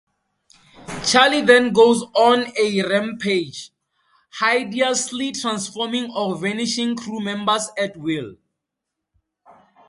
Charlie then goes on a rampage, hideously transforming or vanishing crew members at will.